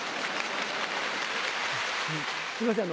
すいません